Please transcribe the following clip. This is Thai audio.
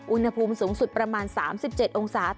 อุณหภูมิสูงสุดประมาณ๓๗องศา